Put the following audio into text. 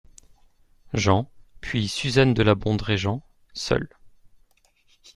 Jean ; puis Suzanne de La Bondrée Jean , seul.